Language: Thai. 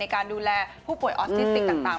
การดูแลผู้ป่วยออทิสติกต่าง